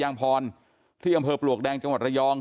ยางพรดิ์ที่อำเภอประหลวกแดงจังหวัดระยอง